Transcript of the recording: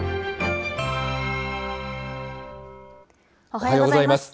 おはようございます。